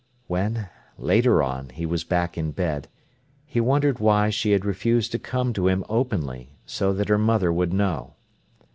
When, later on, he was back in bed, he wondered why she had refused to come to him openly, so that her mother would know.